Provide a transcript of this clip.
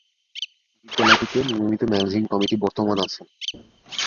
বিদ্যালয়টিতে নিয়মিত managing committee বর্তমান আছেন।